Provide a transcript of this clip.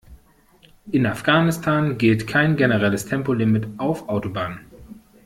In Afghanistan gilt kein generelles Tempolimit auf Autobahnen.